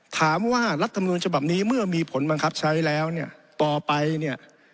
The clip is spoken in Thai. รัฐมนุนฉบับนี้เมื่อมีผลบังคับใช้แล้วเนี่ยต่อไปเนี่ย